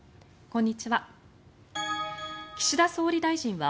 こんにちは。